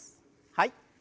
はい。